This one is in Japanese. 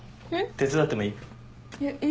手伝ってもいい？